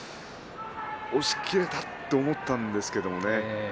押しきれたと思ったんですけれどもね。